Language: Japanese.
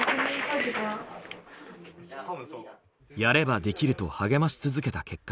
「やればできる」と励まし続けた結果